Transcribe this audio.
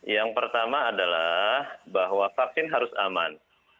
yang pertama adalah bahwa vaksin harus aman